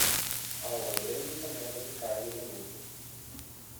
Há uma grande panela de carne na mesa.